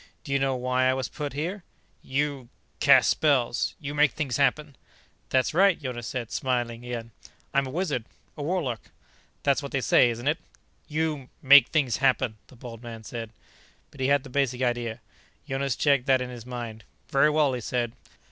"Do you know why I was put here?" "You cast spells. You make things happen." "That's right," Jonas said, smiling again. "I'm a wizard. A warlock. That's what they say, isn't it?" "You make things happen," the bald man said. But he had the basic idea; Jonas checked that in his mind. "Very well," he said.